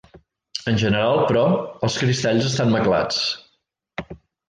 En general, però, els cristalls estan maclats.